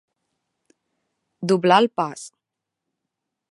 Doblar el pas.